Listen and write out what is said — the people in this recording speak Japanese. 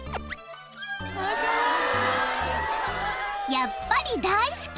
［やっぱり大好き！］